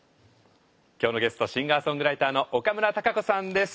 今日のゲストシンガーソングライターの岡村孝子さんです。